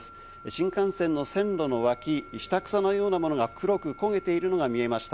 新幹線の線路の脇、草のようなものが黒く焦げているのが見えました。